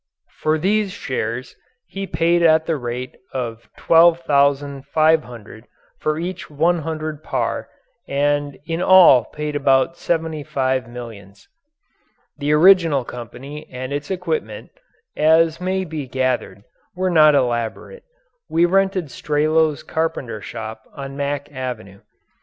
For these shares he paid at the rate of $12,500 for each $100 par and in all paid about seventy five millions. The original company and its equipment, as may be gathered, were not elaborate. We rented Strelow's carpenter shop on Mack Avenue.